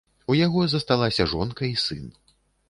У яго засталася жонка і сын.